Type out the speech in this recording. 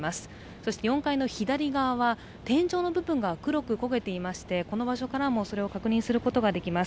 そして４階の左側は天井の部分が黒く焦げていましてこの場所からもそれを確認することができます。